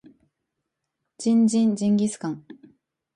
ジンジンジンギスカン